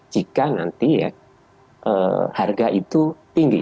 jika nanti ya harga itu tinggi